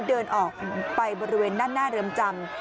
เดินออกไปบริเวณด้านหน้าเรือนจำ